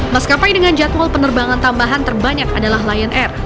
maskapai dengan jadwal penerbangan tambahan terbanyak adalah lion air